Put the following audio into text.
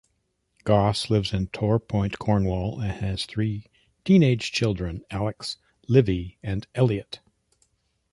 Goss lives in Torpoint, Cornwall, and has three teenage children: Alex, Livvy and Eliot.